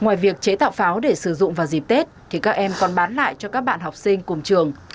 ngoài việc chế tạo pháo để sử dụng vào dịp tết thì các em còn bán lại cho các bạn học sinh cùng trường